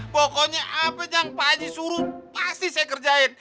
pokoknya apa yang pak aji suruh pasti saya kerjain